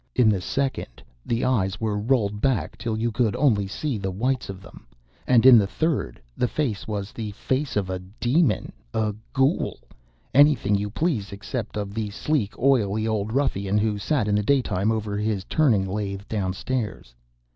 In the second, the eyes were rolled back till you could only see the whites of them; and, in the third, the face was the face of a demon a ghoul anything you please except of the sleek, oily old ruffian who sat in the daytime over his turning lathe downstairs.